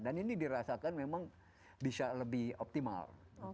dan ini dirasakan memang bisa lebih optimal